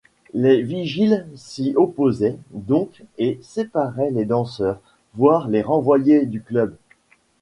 Les vigiles s'y opposaient donc et séparaient les danseurs, voire les renvoyaient du club.